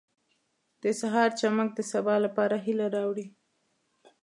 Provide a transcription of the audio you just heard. • د سهار چمک د سبا لپاره هیله راوړي.